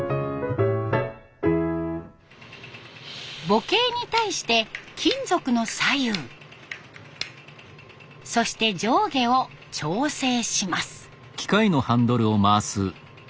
母型に対して金属の左右そして上下を調整します。